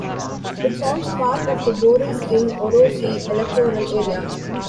It forms part of the Borris-in-Ossory electoral area.